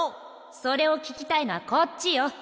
それをききたいのはこっちよ。